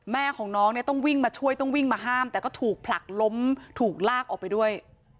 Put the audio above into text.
แม่ของน้องเนี่ยต้องวิ่งมาช่วยต้องวิ่งมาห้ามแต่ก็ถูกผลักล้มถูกลากออกไปด้วย